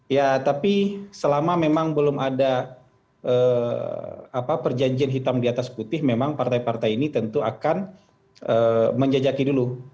ya tapi selama memang belum ada perjanjian hitam di atas putih memang partai partai ini tentu akan menjajaki dulu